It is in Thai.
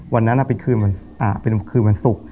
วันนั้นเองเป็นคืนวันสุข